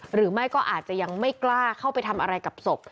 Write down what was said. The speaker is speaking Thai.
หรือไม่ก็อาจจะยังไม่กล้าเข้าไปทำอะไรกับศพ